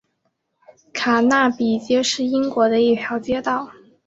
卡纳比街是英国的一条街道。